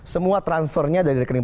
semua transfernya dari rekening